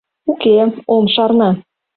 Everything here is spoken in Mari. — Уке, ом шарне.